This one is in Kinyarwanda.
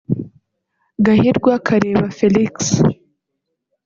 Gahirwa Kareba Felix